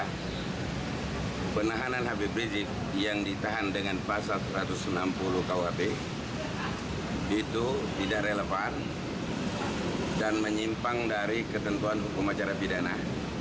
karena penahanan habib rizik yang ditahan dengan pasal satu ratus enam puluh kuhp itu tidak relevan dan menyimpang dari ketentuan hukum acara pidana